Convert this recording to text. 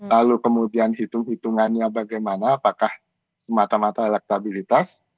lalu kemudian hitung hitungannya bagaimana apakah semata mata elektabilitas